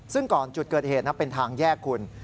ซึ่งก่อนจุดเกิดเหตุเป็นทางแยกคุณ